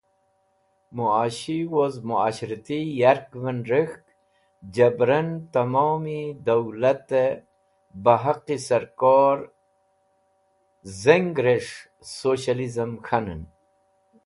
Muashi woz Muashrati yarkven rek̃hk jabran tomi Dawlate baheqe Sarkor Zengres̃h Socialism K̃hanen.